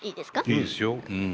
いいですようん。